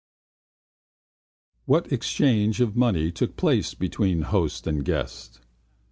What exchange of money took place between host and guest?